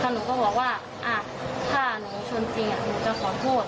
หนูก็บอกว่าถ้าหนูชนจริงหนูจะขอโทษ